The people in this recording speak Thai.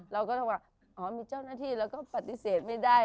เราก็ต้องว่าอ๋อมีเจ้าหน้าที่เราก็ปฏิเสธไม่ได้